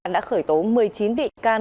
đã khởi tố một mươi chín định can